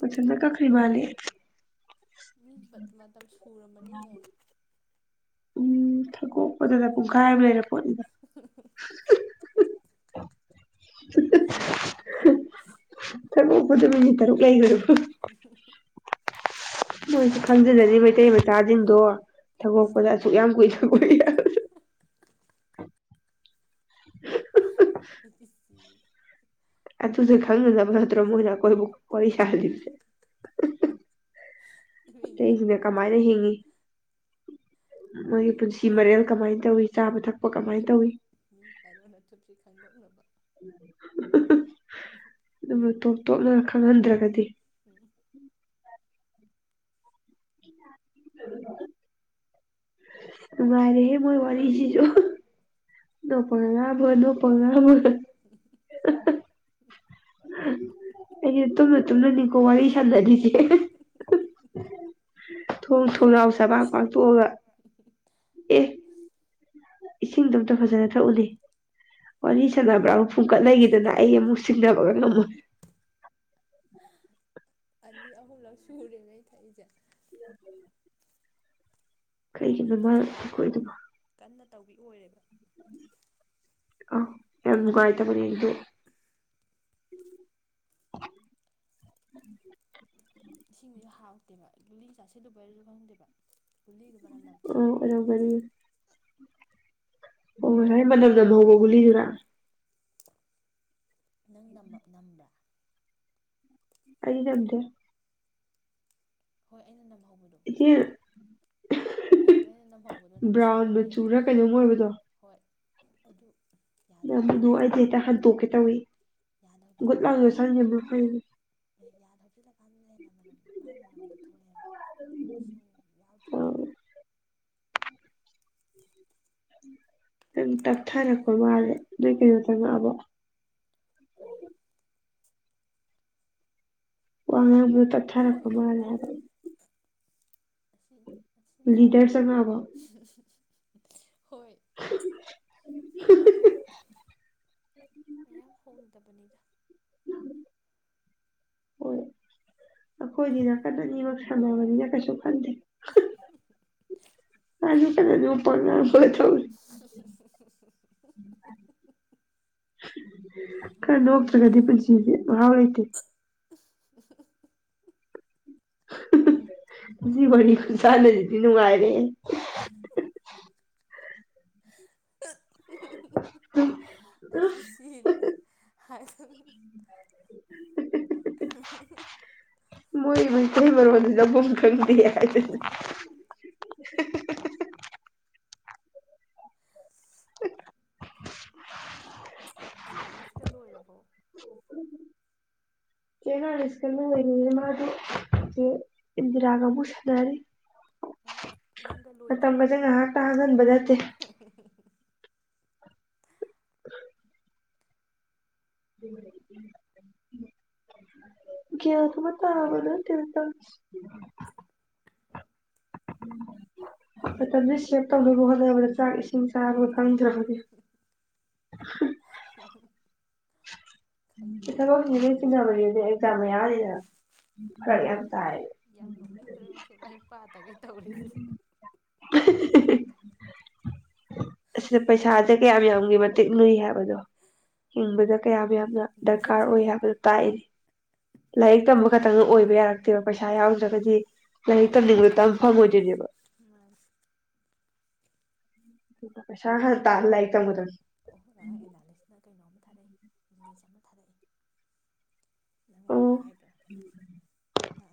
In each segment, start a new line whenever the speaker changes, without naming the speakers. ꯃꯊꯟꯗ ꯀꯛꯈ꯭ꯔꯤꯃꯜꯂꯦ
ꯃꯤ ꯕꯠ ꯃꯇꯝ ꯁꯨꯨꯔꯝꯃꯅꯤꯌꯦ
ꯎꯝ ꯊꯒꯣꯛꯄꯗꯗ ꯄꯨꯡꯈꯥꯏ ꯑꯃ ꯂꯩꯔꯝ ꯄꯣꯠꯅꯤꯗ ꯊꯒꯣꯛꯄꯗ ꯃꯤꯅꯤꯠ ꯇꯔꯨꯛ ꯂꯩꯒ꯭ꯔꯦꯕ ꯍꯨꯝ
[unintelligible]
ꯃꯣꯏꯁꯨ ꯈꯪꯖꯖꯅꯤ ꯃꯩꯇꯩ ꯃꯆꯥꯖꯤꯡꯗꯣ ꯊꯒꯣꯛꯄꯗ ꯑꯁꯨꯛ ꯌꯥꯝ ꯀꯨꯏꯏ ꯊꯒꯣꯛꯏ ꯍꯣꯏꯕꯗꯣ [unintelligible]
ꯑꯩꯗꯤ ꯁꯤ
[unintelligible] ꯑꯗꯨꯗꯨ ꯈꯪꯅꯅꯕ ꯅꯠꯇ꯭ꯔꯣ ꯃꯣꯏꯅ ꯈꯣꯏꯕꯨ ꯋꯥꯔꯤ ꯁꯥꯍꯜꯂꯤꯕꯁꯦ
ꯃꯤ
ꯑꯇꯩꯁꯤꯅ
ꯌꯥꯔꯣꯅ ꯊꯨꯞ
ꯀꯃꯥꯏꯅ ꯍꯤꯡꯉꯤ
ꯃꯤ
ꯃꯣꯏꯒꯤ ꯄꯨꯟꯁꯤ ꯃꯔꯦꯜ ꯀꯃꯥꯏꯅ ꯇꯧꯋꯤ ꯆꯥꯕ ꯊꯛꯄ ꯀ ꯀꯃꯥꯏꯅ ꯇꯧꯏꯤ
ꯃꯤ ꯌꯥꯔꯣꯅ ꯊꯨꯞꯁꯤ ꯈꯪꯗꯣꯛꯅꯕ
ꯑꯗꯨ ꯇꯣꯞ ꯇꯣꯞꯅ ꯈꯪꯍꯟꯗ꯭ꯔꯒꯗꯤ
ꯎꯝ
ꯅꯨꯡꯉꯥꯏꯔꯦꯍꯦ ꯃꯣꯏ ꯋꯥꯔꯤꯁꯤꯁꯨ [unintelligible] ꯑꯩꯁ ꯇꯨꯝꯅ ꯇꯨꯝꯅꯅꯤꯀꯣ ꯋꯥꯔꯤ ꯁꯥꯟꯅꯔꯤꯅꯦꯦ ꯊꯣꯡ ꯊꯣꯡꯅꯥꯎ ꯁꯕꯥꯛ ꯐꯥꯥꯛꯊꯣꯛꯑꯒ ꯑꯦ ꯏꯁꯤꯡꯗꯣ ꯑꯝꯇ ꯐꯖꯅ ꯊꯛꯎꯅꯤ ꯋꯥꯔꯤ
ꯑꯅꯤꯒ
ꯁꯥꯟꯅꯕ꯭ꯔꯥ ꯐꯨꯝꯀꯠ ꯂꯩꯈꯤꯗꯅ ꯑꯩ ꯑꯃꯨꯛ ꯁꯤꯡꯅꯕꯒ ꯉꯝꯃꯣꯏ
ꯑꯅꯤ ꯑꯍꯨꯝꯂꯁꯨꯔꯦꯅꯦ ꯊꯥꯏꯖꯦ
ꯎ
ꯃꯥꯗꯤ
ꯀꯩꯒꯤ ꯃ
ꯃꯌꯥꯝꯂꯛ
ꯑꯩꯈꯣꯏꯗꯅꯣ
ꯀꯟꯅ ꯇꯧꯕꯤ ꯑꯣꯏꯔꯦꯕ
ꯑ ꯌꯥꯝꯒꯥꯏ ꯇꯕꯨꯅꯤꯗ [inaudible]
ꯏꯁꯤꯡꯁꯤꯁꯨ ꯍꯥꯎꯇꯦꯕ ꯨꯂꯤ ꯆꯥꯁꯤꯗꯕ ꯑꯣꯏꯔꯁꯨ ꯈꯪꯗꯦꯕ ꯒꯨꯂꯤꯗꯨ ꯃꯅꯝ
ꯑ
ꯅꯝꯊꯤꯑꯕ
ꯑꯔꯕ ꯑꯣ ꯃ ꯍꯧꯕꯣꯒꯂꯤꯖꯔꯥ
ꯅꯪ ꯅꯝꯕ꯭ꯔꯥ
ꯑꯏ ꯌꯥꯝꯗꯦ
ꯍꯣꯏ ꯑꯩꯅ ꯅ ꯍ ꯎꯝ
ꯏꯆꯦ
ꯑꯩꯅ ꯅꯝ ꯍꯧꯕꯗꯣ
ꯕ꯭ꯔꯥꯎꯟ
ꯅꯝꯊꯤꯕꯩꯅꯦꯕ
ꯃꯆꯨꯔ
ꯎꯝ
ꯀꯩꯅꯣꯝ
ꯍꯣꯏ ꯑꯗꯨ ꯌꯥꯗ
ꯑꯗꯨ ꯑꯩꯗꯤ
ꯍꯥꯞꯆꯤꯜꯂꯀꯥꯟꯗꯅ
ꯍꯦꯛꯇ ꯍꯟꯗꯣꯛꯀꯦ ꯇꯧꯋꯤ
ꯌꯥꯗ
ꯒꯨꯠ ꯂꯥꯡꯗꯣ
ꯍꯥꯞꯆꯤꯜꯂꯀꯥꯟꯗꯅ
ꯁꯪ
ꯍꯦꯟꯅ
ꯌꯥꯝꯅ ꯐꯩ
[inaudible] ꯊ ꯊꯣꯛꯅꯩꯑꯕ ꯏꯁꯤꯡ
ꯑꯥ
ꯌꯥꯎꯗ꯭ꯔꯤꯉꯩꯗꯣ
ꯇꯥꯛ ꯊꯥꯏꯅ ꯀꯕ ꯑꯔꯦ ꯅ ꯀ ꯇ ꯑꯕ
ꯐ ꯑ
ꯋꯥꯉ ꯇꯊꯔ
ꯍꯣꯏ ꯎꯝ
ꯆꯪꯉꯛꯑꯕꯣ
ꯑ ꯑꯗꯨꯕꯨ
[inaudible]
ꯃꯌꯥꯝ ꯍꯣꯡꯗꯕꯅꯤꯗ
ꯑꯩꯈꯣꯏꯗꯤꯅꯀꯛꯇꯅꯤꯃꯛ ꯊꯅꯤꯅ ꯀꯩꯁꯨꯣ ꯑꯗꯨꯗ ꯀ ꯑꯗꯨ ꯑꯗꯨ
[inaudible]
ꯈꯔ ꯅꯣꯛꯇꯔꯒꯗꯤ ꯄꯨꯟꯁꯤꯖꯦ ꯃꯍꯥꯎ ꯂꯩꯇꯦ
[inaudible]
ꯍꯥ ꯍꯥ ꯃꯁꯤ ꯋꯥꯔꯤ ꯈꯨꯟꯁꯥꯟꯅꯖꯤꯗꯤ ꯅꯨꯡꯉꯥꯏꯔꯦ
ꯑꯩꯗꯤ ꯁꯤꯔꯦ ꯍꯥꯏꯗꯪ ꯑꯍꯥ ꯍꯥ ꯍꯥ
ꯃꯣꯏ ꯃꯩꯇꯩ ꯃꯔꯣꯟꯖꯤꯗꯤ ꯂꯧꯕꯝ ꯈꯪꯗꯦ ꯍꯥꯏꯗꯣꯏꯅꯤ ꯍꯤ ꯍꯤ ꯍꯤ ꯍꯤ
ꯑꯦꯅꯥꯂꯤꯁꯀ ꯑꯦꯅꯥꯂꯤꯁꯀ ꯂꯣꯏꯔꯕꯣ
ꯆꯦ ꯅꯥꯔꯤꯁꯀꯗꯤ ꯂꯣꯏꯒꯔ꯭ꯦ ꯃꯥꯗꯤ ꯆꯦ ꯏꯟꯗꯤꯔꯥ ꯃꯨꯛ ꯁꯥꯅꯔꯤ
ꯅꯪ ꯅꯪꯒ ꯂꯣꯏꯗ꯭ꯔꯤ
ꯃꯇꯝꯒꯖꯦ ꯉꯥꯍꯥꯛꯇ ꯍꯥꯡꯍꯟꯕ ꯅꯠꯇꯦ [inaudible] ꯒꯌ꯭ꯥꯟ ꯒ ꯃ ꯇꯥꯕ ꯅꯠꯇꯦ ꯇꯧꯔꯤꯖꯦ ꯃꯇꯝꯖꯦ ꯁꯦꯚ ꯇꯧꯅꯕ ꯍꯣꯠꯅꯕꯗ ꯆꯥꯛ ꯏꯁꯤꯡ ꯆꯥꯕ ꯈꯪꯗ꯭ꯔꯕꯅꯦ ꯍꯥ ꯃꯤ
ꯈꯪꯗ꯭ꯔꯕꯅꯤ
ꯊꯕꯛꯄꯨꯗꯤ ꯂꯣꯢ ꯆꯤꯟꯅꯕꯅꯤ ꯑꯦꯛꯖꯥꯝ ꯃꯌꯥꯅꯤꯅ ꯐꯔꯛ
ꯍꯣꯏ
ꯌꯥꯝ ꯇꯥꯏ
ꯇꯧꯔꯤꯖꯦ
ꯑꯁꯤꯗ ꯄꯩꯁꯥꯖꯦ ꯀꯌꯥꯝ ꯌꯥꯝꯒꯤ ꯃꯇꯤꯛ ꯂꯨꯏ ꯍꯥꯏꯕꯗꯣ ꯍꯤꯡꯕꯗ ꯀꯌꯥꯃꯨ ꯌꯥꯝꯅ ꯗꯔꯀꯥꯔ ꯑꯣꯏ ꯍꯥꯏꯕꯗꯨ ꯇꯥꯛꯏꯅꯤ ꯂꯥꯏꯔꯤꯛ ꯇꯝꯕ ꯈꯛꯇꯪꯗ ꯑꯣꯏꯕ ꯌꯥꯔꯛꯇꯦꯕ ꯄꯩꯁꯥ ꯌꯥꯎꯗ꯭ꯔꯒꯗꯤ ꯂꯥꯏꯔꯤꯛ ꯇꯝꯅꯤꯡꯕ ꯇꯝ ꯐꯪꯉꯣꯏꯗꯣꯏꯅꯤ
ꯃꯥꯅꯤ
ꯑꯗꯨꯅ ꯄꯩꯁꯥ ꯈ ꯒꯛ ꯇꯥꯜꯂ ꯂꯥꯏꯔꯤꯛ ꯇꯝꯒꯗꯃꯤ
ꯑꯣ ꯑꯦꯅꯥꯂꯤꯁꯅ ꯀꯩꯅꯣꯝꯃ ꯊꯥꯔꯛꯏ ꯔꯤꯜꯁ ꯑꯃ ꯊꯥꯔꯛꯏ
ꯑꯣ
ꯅꯉꯣꯟꯗ ꯍꯥꯏꯕ꯭ꯔꯥ ꯑ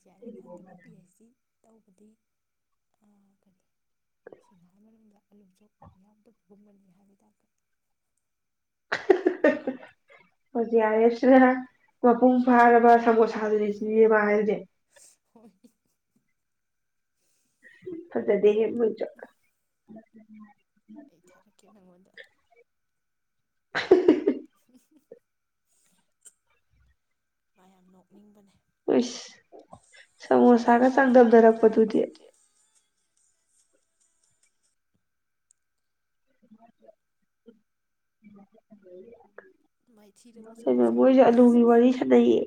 ꯖꯦ ꯑꯔ ꯑꯦꯐ ꯐꯪꯗꯕ ꯄꯤ ꯑꯩꯩꯆ ꯗꯤ ꯕꯗꯤ ꯑꯥ ꯀꯔꯤ ꯁꯤꯡꯍꯔ ꯃꯅꯨꯡꯗ ꯑꯂꯨ ꯆꯣꯛ ꯌꯥꯝꯗ ꯀꯨꯝꯃꯜꯅꯤ ꯍꯥꯏꯕ ꯇꯀ [unintelligible]
ꯍꯥ ꯍꯥ ꯍꯧꯖꯤꯛ ꯍꯥꯏꯔꯁꯤꯔ ꯃꯄꯨꯡ ꯐꯥꯔꯕ ꯁꯃꯣꯁꯥꯗꯨꯗꯤ ꯊ ꯋꯥꯏꯗꯦ [unintelligible]
ꯍꯣꯏ
ꯐꯖꯗꯦꯍꯦ ꯅꯣꯌꯖꯨ
ꯑꯩ ꯊꯥꯔꯛꯀꯦ ꯅꯪꯉꯣꯟꯗ ꯎꯝ ꯍꯨꯝ ꯍꯨꯝ ꯃ ꯌꯥꯝ ꯅꯣꯛꯅꯤꯡꯕꯅꯦ
ꯏꯁ ꯁꯃꯣꯁꯥꯒ ꯆꯥꯡꯗꯝꯅꯔꯛꯄꯗꯨꯗꯤ
ꯃꯥꯏꯊꯤꯔꯕ
[inaudible] ꯑꯗꯨꯩꯅ
ꯁꯃꯣꯁꯥꯅꯤ
ꯃꯣꯏꯁꯨ ꯑꯗꯨꯒꯤ
ꯑꯣꯏꯔꯤꯁꯦ
ꯋꯥꯔꯤ ꯁꯥꯟꯅꯩꯌꯦ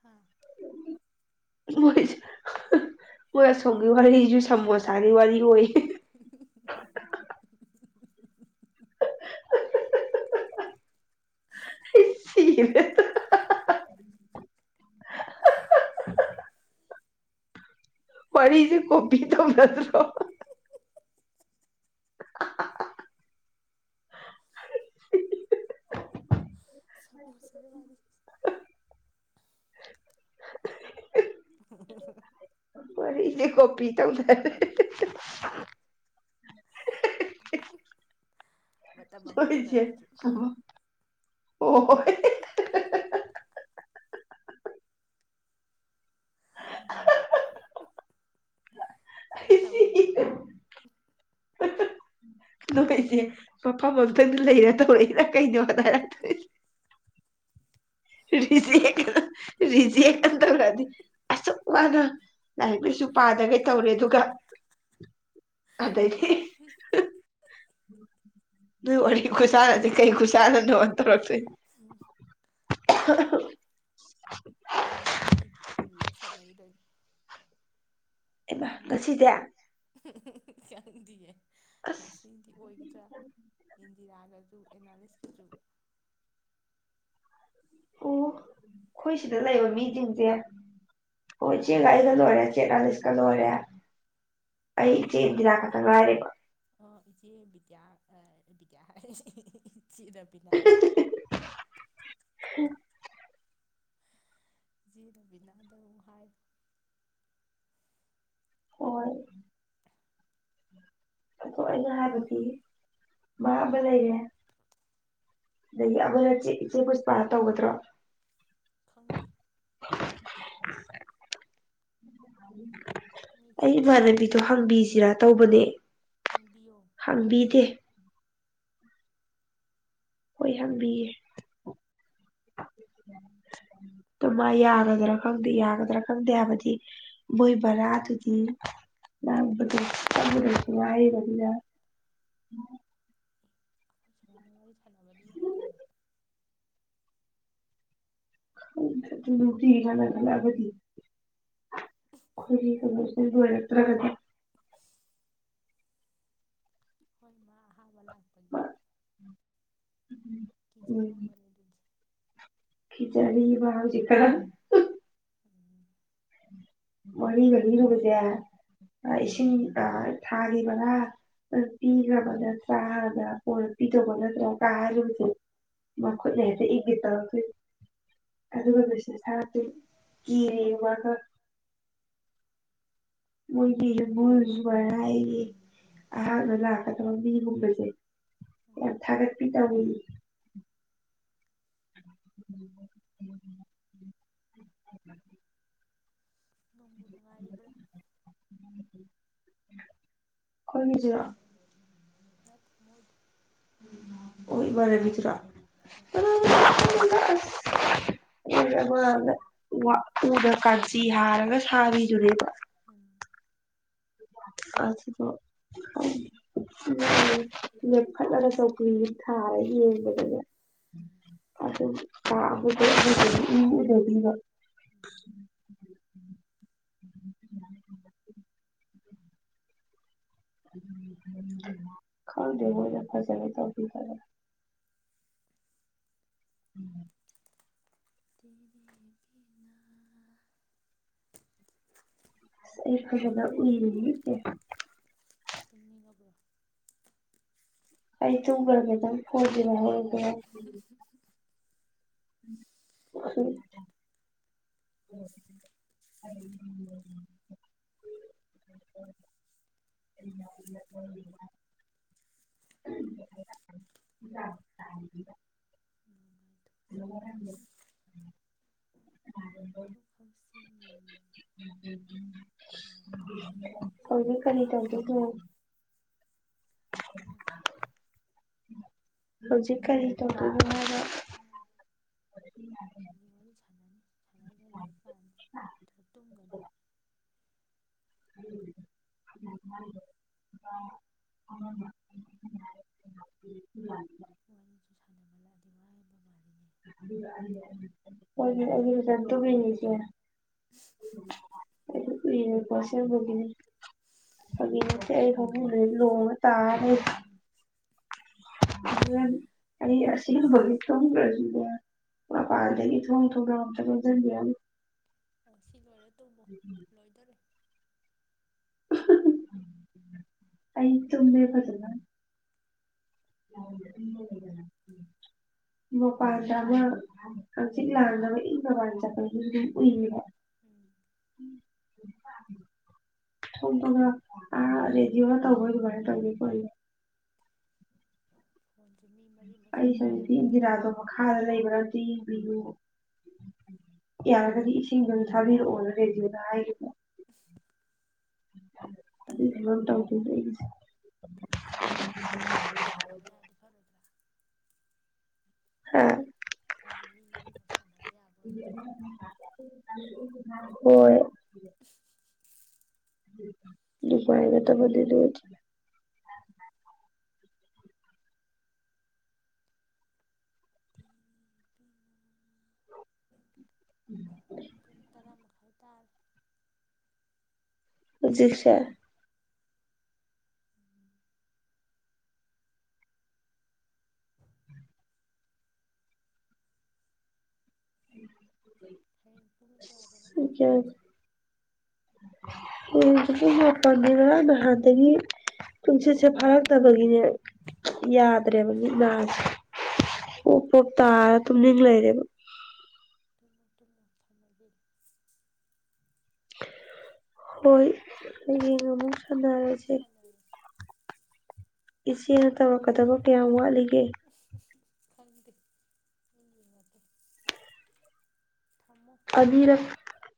ꯍꯥ
ꯃꯣꯏꯁꯨ ꯃꯣꯏ ꯑꯁꯣꯝꯒꯤ ꯋꯥꯔꯤꯁꯨ ꯁꯝꯃꯣꯁꯥꯒꯤ ꯋꯥꯔꯤ ꯑꯣꯏꯌꯦ
[inaudible]
ꯁꯤꯔꯠꯇ ꯋꯥꯔꯤꯔꯤꯁꯦ ꯀꯣꯄꯤꯗ ꯐꯁ꯭ꯔꯣ [inaudible] [inaudible]
ꯁ ꯃꯁ [inaudible]
ꯐ ꯏꯅꯦꯦ ꯀꯣꯄꯤꯤ ꯇꯧꯗ
[inaudible] ꯑꯃꯇꯗ
ꯑꯣꯏꯣꯏꯁꯦ
ꯑꯗꯨꯁꯨ
ꯑꯣ [inaudible] ꯍ
ꯑ
ꯑꯩ ꯀꯣ ꯑꯩꯩꯁꯦ ꯃꯐꯝꯇꯪꯗꯤ ꯂꯩꯔꯦ ꯇꯧꯔꯛꯏꯦ ꯀꯩꯗꯋꯥ ꯇꯔ ꯇ ꯁꯤ ꯔꯤꯖꯤ ꯀꯥꯟ ꯇꯕ꯭ꯔꯗꯤ ꯑꯁ ꯃꯥꯒ ꯂꯥꯏꯔꯤꯛ ꯂꯥꯏꯁꯨ ꯄꯥꯗꯒꯦ ꯇꯧꯔꯦ ꯑꯗꯨꯒ ꯑꯗꯩꯗꯤ ꯎꯝ ꯅꯣꯏ ꯋꯥꯔꯤ ꯈꯨꯁꯥꯅꯁꯤꯦ ꯀꯩ ꯈꯨꯁꯥꯅꯅꯣ ꯇꯧꯔꯛꯁꯦ
ꯎꯝ
[inaudible]
ꯑꯩꯒꯤ ꯋꯥꯔꯤ ꯀꯨꯜꯂꯔ ꯁꯥꯟꯅꯒꯤꯗ
ꯉꯁꯤꯗꯌꯥ
ꯀꯗꯤ ꯑꯦ
ꯑꯁ
ꯁꯤꯟꯗꯤ ꯑꯣꯏꯒꯗ꯭ꯔꯥ ꯔꯒ ꯑꯗꯨ ꯑꯦꯅꯥ ꯁꯤꯁꯨ
ꯑꯣ ꯑꯩꯈꯣꯏ ꯁꯤꯗ ꯂꯩꯕ ꯃꯤꯁꯤꯡꯁꯦ ꯍꯣꯏ ꯆꯦꯡꯒꯥꯏ ꯀ ꯂꯔꯦ ꯆꯦꯔꯂꯤꯁ ꯀ ꯂꯔꯦ ꯑꯩ ꯏꯆꯦ ꯏꯖꯤꯅꯥ ꯈꯛꯇꯪ
ꯅꯪꯒꯤꯗꯤ
ꯉꯥꯏꯔꯦꯕ
ꯑꯣ ꯏꯆꯦ ꯗ꯭ꯌꯥꯗ꯭ꯌꯥ ꯍꯥꯏꯔ ꯆꯠ ꯑꯕꯤꯅꯥ ꯖꯤ ꯔꯕꯤꯂꯗꯎ ꯍꯥꯏ
ꯍꯣꯏ ꯑꯗꯣ ꯑꯩꯅ ꯍꯥꯏꯕꯗꯤ ꯃꯥ ꯑꯃ ꯂꯩꯔꯦ ꯑꯗꯒꯤ ꯑꯃꯅ ꯆꯦ ꯏꯆꯦ ꯄꯨꯁꯄꯥ ꯇꯧꯒꯗ꯭ꯔꯣ
ꯈꯪꯗꯦ ꯃꯤ
ꯑꯩ
ꯆꯤꯜꯂꯝꯒꯗ꯭ꯔꯥ
ꯏꯃꯥꯟꯅꯕꯤꯗꯣ ꯍꯥꯡꯕꯤꯁꯤꯔꯥ ꯇꯧꯕꯅꯦ
ꯍꯪꯕꯤꯌꯣ
ꯍꯕꯤꯗꯦ ꯍꯣꯏ ꯍꯪꯕꯤꯌꯦ ꯑ ꯃꯥ ꯌꯥꯒꯗ꯭ꯔꯥ ꯈꯪꯗꯦ ꯌꯥꯒꯗ꯭ꯔꯥ ꯈꯪꯗꯦ ꯍꯥꯏꯕꯗꯤ ꯃꯣꯏ ꯕꯔꯥꯗꯨꯗꯤ ꯉꯥꯡꯕꯗꯨ ꯆꯪꯁꯨ ꯉꯥꯏꯔꯕꯅꯤꯅ
ꯁꯥꯃꯅ ꯋꯥꯔꯤ ꯁꯅꯕꯗꯤ ꯌꯥꯏ ꯀꯩꯅꯣ
ꯑꯗꯨ ꯅꯨꯡꯇꯤ ꯀꯅ ꯈꯠꯂꯛꯑꯒꯗꯤ ꯑꯩꯈꯣꯏꯒꯤ ꯀꯩꯅꯣꯁꯤ ꯂꯣꯏꯔꯛꯇ꯭ꯔꯒꯗꯤ
ꯍꯣꯏꯃ ꯍꯥꯏ ꯂꯥꯛꯄꯒꯤ ꯀꯤꯖꯔꯝꯕꯅꯤ ꯗꯨꯗꯤ
ꯈꯈꯤ ꯆꯔꯤ ꯕ ꯆ ꯀꯗ
ꯎꯝ
ꯃꯔꯤꯒ ꯂꯤꯔꯨꯕꯁꯦ ꯏꯁꯤꯡ ꯊꯥꯈꯤꯕꯒꯥ ꯄꯤꯈ꯭ꯔꯕ ꯅꯠꯇ꯭ꯔꯥ ꯍꯥꯏꯗ꯭ꯔ ꯀꯣꯟꯅ ꯄꯤꯗꯧꯕ ꯅꯠꯇ꯭ꯔꯥ ꯀꯥ ꯍꯥꯏꯔꯨꯕꯁꯦ
ꯎꯝ
ꯃꯈꯨꯠꯅ ꯍꯦꯛꯇ ꯏꯅꯤꯠ ꯇꯧꯔꯛ ꯇꯨꯏꯅꯤ ꯑꯗꯨꯒ ꯃꯦꯁꯦꯁ ꯊꯔꯛꯇꯨꯏꯅꯤ
ꯎꯝ
ꯀꯤꯔꯦ ꯋꯥꯒ ꯃꯣꯏꯗꯤ
ꯑꯍꯥꯟꯕ
ꯌꯨꯝꯕꯨꯁ ꯋꯔꯥꯏꯒꯤ ꯑꯍꯥꯟꯕ ꯂꯥꯛꯀꯗꯕ ꯃꯤꯒꯨꯝꯕꯖꯦ
ꯎꯝ
ꯑ ꯊꯒꯠꯄꯤ ꯇꯧꯏ [inaudible]
ꯅꯣꯡꯕꯨ ꯅꯨꯡꯉꯥꯏꯔꯤꯕ꯭ꯔꯥ
ꯈꯣꯏ ꯃꯤꯖꯤꯔꯣ
ꯅꯠꯇ ꯃꯣꯏꯗ
ꯑꯣꯏꯕꯔꯦ ꯂꯤꯆ꯭ꯔꯥ
ꯍꯣꯏ
ꯃꯥꯡꯗ ꯋꯥ ꯎꯅꯥ ꯀꯥꯟꯆꯤ ꯍꯥꯔꯒ ꯁꯥꯔꯤꯗꯨꯅꯦꯕ
ꯎꯝ
ꯑꯗꯨꯗꯣ ꯂꯦꯈꯠꯂꯒ ꯆꯧꯀ꯭ꯔꯤ ꯊꯥꯔ ꯌꯦꯡꯕꯗꯅꯦ ꯑꯗꯨꯒꯤ ꯑ ꯑꯗꯨꯗꯩꯩ ꯑꯗꯨꯗꯩꯩ ꯏꯎ ꯎꯅꯒꯤꯕ ꯈꯪꯗꯦꯕꯣ ꯌꯥ ꯐꯁꯒꯦ ꯇ ꯐꯔꯦ ꯎꯝ
ꯇꯔꯒꯤꯅ [inaudible]
ꯑꯁ ꯐꯖꯅ ꯎꯔꯤꯅꯤꯅꯦ
ꯇꯨꯝꯅꯤꯡꯉꯥꯕꯣ
ꯑꯩ ꯇꯨꯝꯒ꯭ꯔꯥꯒꯦ ꯅꯪ ꯐꯣꯟꯁꯦ [unintelligible]
[unintelligible]
ꯎꯝ ꯍꯨꯝ
ꯍꯧꯖꯤꯛ
[inaudible] [unintelligible]
ꯅꯨꯡꯉꯥꯏꯊꯣꯛꯁꯤ
ꯉꯔꯥꯡꯗꯩ
ꯂꯥꯡꯊꯣꯛꯍꯧꯁꯤ ꯃꯇꯝ ꯂꯩꯔꯤꯉꯩ
ꯍꯧꯖꯤꯛ ꯀꯔꯤ ꯇꯧꯗꯨꯏꯅꯣ
ꯍꯥ
ꯎꯝ ꯍꯧꯖꯤꯛ
ꯑꯩꯒꯗꯤ
ꯀꯔꯤ ꯇꯧꯗꯣꯏꯅꯣ ꯍꯥꯏꯕ ꯎꯝ
ꯋꯥꯔꯤ ꯁꯥꯟꯅꯅꯤ ꯁꯥꯟꯅꯔꯒ ꯂꯥꯏꯔꯤꯛ ꯄꯥꯅꯤ ꯅꯠꯇ꯭ꯔ ꯇꯨꯝꯒꯅꯤ
ꯎꯝ [inaudible]
ꯋꯥꯔꯤꯁꯨ ꯁꯥꯟꯅꯕ ꯂꯥꯛꯑꯗꯤ ꯋꯥ ꯍꯥꯏꯕ ꯃꯥꯜꯂꯤ
ꯍꯣꯏꯅꯦ ꯏꯅꯦꯝꯆꯥ ꯇꯨꯝꯃꯤꯅꯤ ꯆꯦ
[inaudible]
ꯎꯇ ꯀꯨꯏꯔꯦꯀꯣ ꯑꯁꯦꯡꯕꯒꯤꯅꯦ ꯐꯥꯒꯤ ꯅꯠꯇꯦ ꯑꯩ ꯐꯥꯃꯨꯡꯗꯥ ꯂꯣꯡꯉꯥ ꯇꯥꯔ ꯂꯩꯔꯤ ꯍꯣꯔꯦꯟ ꯑꯩ ꯑꯁꯤ [unintelligible] ꯈꯪꯗ꯭ꯔꯥꯁꯨꯅꯦ ꯃꯄꯥꯟꯗꯒꯤ ꯊꯣꯡ ꯊꯣꯡꯅꯥꯎ ꯑꯝꯇ ꯂꯣꯟꯁꯤꯟꯕꯤꯔꯝꯃꯨ
ꯑꯣ ꯁꯤ ꯂꯣꯏꯔꯠ
ꯎꯝ ꯎꯝ ꯑ ꯍ ꯍ ꯑꯩ ꯇꯨꯝꯃꯦ ꯐꯖꯅ ꯃꯄꯥꯟꯗ ꯑꯃ ꯍꯛꯆꯤꯛ ꯂꯥꯡꯅꯕ ꯏꯪꯅꯕꯥꯅ ꯆꯠꯄꯗꯨꯗꯤ ꯗꯨꯝ ꯎꯌꯦꯕ
ꯎꯝ
ꯊꯣꯛꯄꯒ ꯑ ꯔꯦꯗꯤꯑꯣ ꯗ ꯇꯧꯕ ꯑꯗꯨꯃꯥꯏ ꯇꯧꯅꯤꯀꯣ ꯑꯩ
ꯐꯣꯟꯁꯦ ꯃꯤ ꯃꯔꯤꯃꯛ
ꯑꯩꯁꯨ
ꯁꯥꯟꯅꯕ
ꯅꯨꯄꯤ
ꯌꯥꯔꯗꯤ
ꯏꯟꯗꯤꯔꯥꯗꯣ
ꯐꯔꯣꯏꯗ꯭ꯔꯥ
ꯃꯈꯥꯗ ꯂꯩꯕ꯭ꯔ ꯑꯝꯇ ꯌꯦꯡꯕꯤꯔꯨꯌꯣ ꯌꯥꯔꯒꯗꯤ ꯏꯁꯤꯡꯗꯣ ꯑꯝꯇ ꯊꯥꯕꯤꯔꯛꯑꯣꯅ ꯔꯦꯗꯤꯑꯣꯗ ꯍꯥꯏꯒꯤꯕ꯭ꯔꯣ ꯁꯤ ꯐꯤꯕꯝ ꯇꯧꯗꯣꯏꯁꯦ ꯑꯩꯒꯤꯁꯦ꯫
ꯐꯣꯟꯁꯤ ꯃꯔꯤ ꯃꯤ ꯃꯔꯤ ꯁꯥꯟꯅꯕ ꯌꯥꯔꯗꯤ ꯐꯔꯣꯏꯗ꯭ꯔꯥ꯫ ꯐꯣꯟꯁꯦ ꯃꯤ ꯃꯔꯤꯃꯛ ꯁꯥꯟꯅꯕ ꯌꯥꯕ
ꯑ [unintelligible] ꯍꯣꯏ꯫
[unintelligible]
[unintelligible]
ꯑꯣꯏꯔꯗꯤ ꯃꯈ ꯃꯈ ꯇ
ꯖꯤꯁ ꯎꯝ
ꯍꯌꯦꯡ ꯄꯨꯡ ꯀꯌꯥꯗꯅꯣ ꯀ꯭ꯂꯥꯁ ꯆꯠꯇꯣꯏꯁꯦ꯫
ꯄꯉ ꯉꯔꯥꯡ ꯅꯍꯥꯟꯗꯒꯤ ꯅꯨꯡꯁꯤꯠꯁꯦ ꯐꯥꯔꯛꯇꯕꯒꯤꯅꯦ ꯌꯥꯗ꯭ꯔꯦꯕ ꯁꯦ ꯄꯣꯞ ꯄꯣꯞ ꯇꯥꯔ ꯇꯨꯝꯅꯤꯡ ꯂꯩꯔꯦꯕ
ꯃꯣꯇ ꯃꯊꯥ ꯃꯒꯦ
ꯍꯣꯏ ꯑꯩ
ꯍꯌꯦꯡ
ꯑꯃꯛ
ꯑꯃꯨꯛ
ꯁꯗꯔꯁꯤ
ꯍꯌꯦꯡ ꯑꯃꯨꯛ
ꯏꯁꯁꯤ ꯍ
ꯁꯥꯟꯅꯔꯁꯤ
ꯇꯋꯥꯀꯗꯃꯣ ꯀꯌꯥꯃꯂꯤꯒꯦ
ꯈꯪꯗ ꯊꯝꯃꯨ
ꯑꯅꯤꯔꯛ
ꯃꯨꯠꯂꯅꯤ